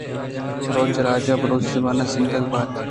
بلوچ راج ءُ بلوچی زبان زندگ بات۔